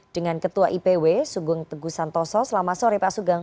dengan ketua ipw sugeng teguh santoso selamat sore pak sugeng